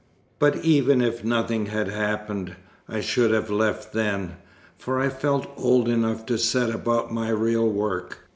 But even if nothing had happened, I should have left then, for I felt old enough to set about my real work.